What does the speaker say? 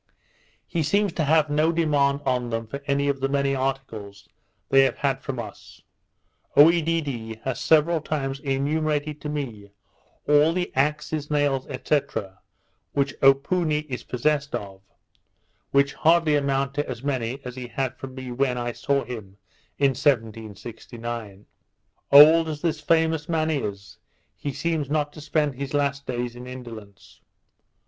He seems to have no demand on them for any of the many articles they have had from us. Oedidee has several times enumerated to me all the axes, nails, &c. which Opoony is possessed of, which hardly amount to as many as he had from me when I saw him in 1769. Old as this famous man is, he seems not to spend his last days in indolence.